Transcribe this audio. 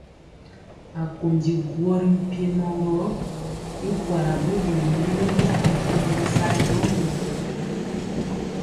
Akondi guo ri mpiemɔ gɔ y kuala bubuli nyɛmemɔ rikolo bɛsali ŋgomnaŋ.